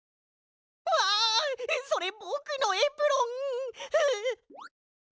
それぼくのエプロン！ふう。